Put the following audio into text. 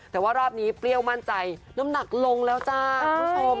แต่ว่ารอบนี้เปรี้ยวมั่นใจน้ำหนักลงแล้วจ้าคุณผู้ชม